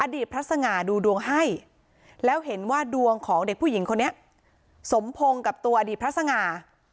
พระสง่าดูดวงให้แล้วเห็นว่าดวงของเด็กผู้หญิงคนนี้สมพงศ์กับตัวอดีตพระสง่า